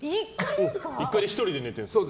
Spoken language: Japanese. １階で１人で寝てるんですか？